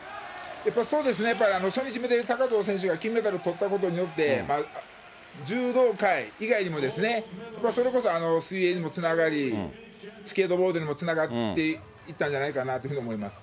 そうですね、やっぱり初日で高藤選手が金メダルとったことによって、柔道界以外にもですね、それこそ水泳にもつながり、スケートボードにもつながっていったんじゃないかなと思います。